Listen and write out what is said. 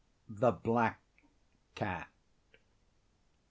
THE BLACK CAT.